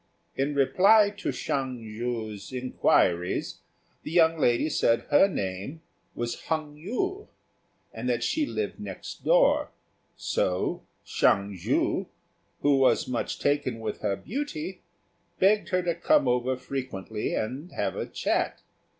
In reply to Hsiang ju's inquiries, the young lady said her name was Hung yü, and that she lived next door; so Hsiang ju, who was much taken with her beauty, begged her to come over frequently and have a chat.